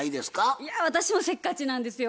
私もせっかちなんですよ。